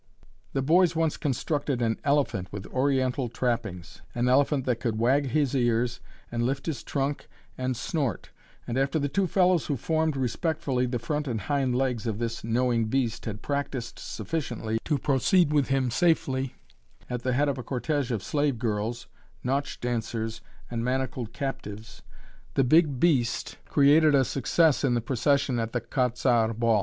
The boys once constructed an elephant with oriental trappings an elephant that could wag his ears and lift his trunk and snort and after the two fellows who formed respectfully the front and hind legs of this knowing beast had practised sufficiently to proceed with him safely, at the head of a cortége of slave girls, nautch dancers, and manacled captives, the big beast created a success in the procession at the "Quat'z' Arts" ball.